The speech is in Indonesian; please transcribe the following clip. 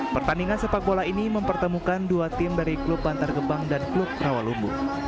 pertandingan sepak bola ini mempertemukan dua tim dari klub bantar gebang dan klub rawalumbu